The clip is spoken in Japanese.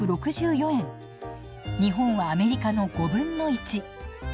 日本はアメリカの５分の１。